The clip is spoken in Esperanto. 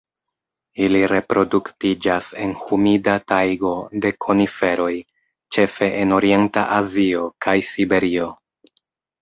Ili reproduktiĝas en humida tajgo de koniferoj, ĉefe en orienta Azio kaj Siberio.